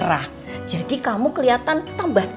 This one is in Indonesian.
wah kita lihat yang sama andere nih